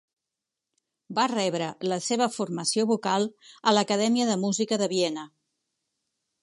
Va rebre la seva formació vocal a l'Acadèmia de Música de Viena.